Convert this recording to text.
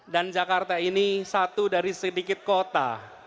dan jakarta ini satu dari sedikit kota